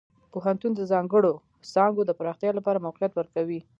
پوهنتون د ځانګړو څانګو د پراختیا لپاره موقعیت ورکوي.